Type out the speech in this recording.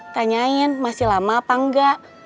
tanyain masih lama apa enggak